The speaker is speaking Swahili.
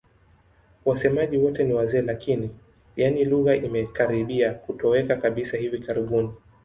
Wasemaji wote ni wazee lakini, yaani lugha imekaribia kutoweka kabisa hivi karibuni.